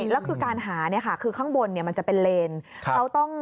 แล้วก็คือการหาคือข้างบนมันจะเป็นเลน